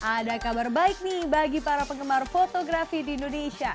ada kabar baik nih bagi para penggemar fotografi di indonesia